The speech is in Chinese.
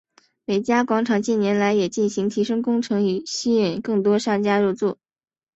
美嘉广场近年来也进行提升工程以吸引更多商家入住。